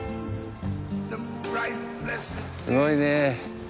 すごいね。